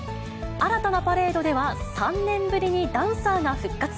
新たなパレードでは、３年ぶりにダンサーが復活。